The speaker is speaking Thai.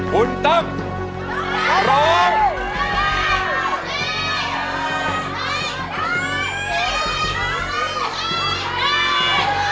คุณตั้มร้อง